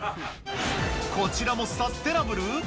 こちらもサステナブル？